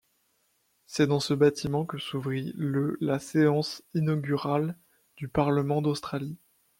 C'est dans ce bâtiment que s'ouvrit le la séance inaugurale du parlement d'Australie.